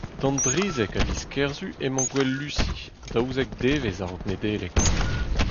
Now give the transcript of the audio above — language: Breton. D'an drizek a viz Kerzu emañ gouel Lusi, daouzek devezh a-raok Nedeleg.